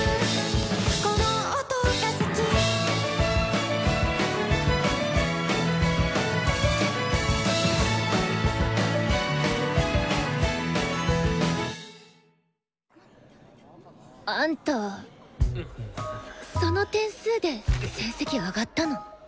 「この音が好き」あんたその点数で成績上がったの？